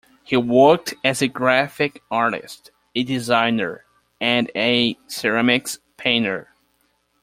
He worked as a graphic artist, a designer, and a ceramics painter.